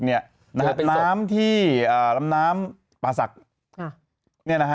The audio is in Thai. น้ำที่ล้ำพาศักดิ์